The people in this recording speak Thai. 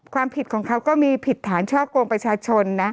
ความผิดของเขาก็มีผิดฐานช่อกงประชาชนนะ